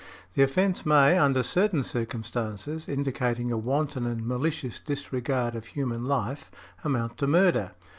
The offence may, under certain circumstances indicating a wanton and malicious disregard of human life, amount to murder.